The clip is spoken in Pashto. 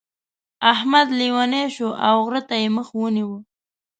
احمد لېونی شو او غره ته يې مخ ونيو.